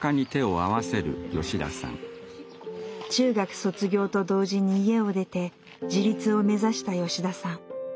中学卒業と同時に家を出て自立を目指した吉田さん。